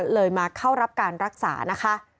เลยมาเข้ารับการรักษานะคะ